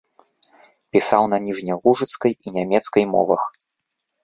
Пісаў на ніжнялужыцкай і нямецкай мовах.